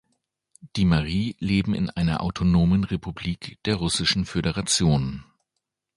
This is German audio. Die Mari leben in einer autonomen Republik der Russischen Föderation.